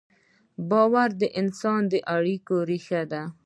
باور د انسان د اړیکو ریښه ده.